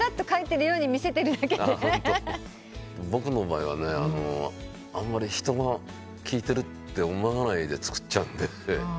僕の場合はねあんまり人が聴いてるって思わないで作っちゃうんで。